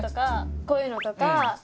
こういうのとか。